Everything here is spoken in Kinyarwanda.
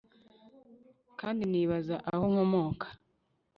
kandi nibaza aho nkomoka